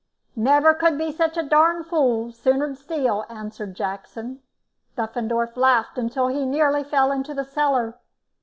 "Never could be such a darned fool; sooner steal," answered Jackson. Duffendorf laughed until he nearly fell into the cellar.